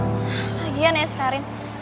lagian ya si karin